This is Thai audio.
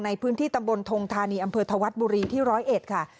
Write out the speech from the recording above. ในพื้นที่ตำบลทงธานีอำเภอธวัฒน์บุรีที่ร้อยเอ็ดค่ะ